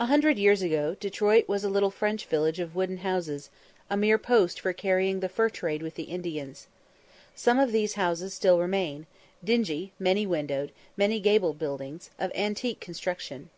A hundred years ago Detroit was a little French village of wooden houses, a mere post for carrying on the fur trade with the Indians. Some of these houses still remain, dingy, many windowed, many gabled buildings, of antique construction.